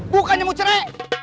bukannya mau cere